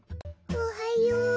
おはよう。